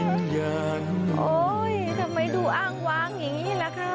โอ้โหทำไมดูอ้างวางอย่างนี้ล่ะคะ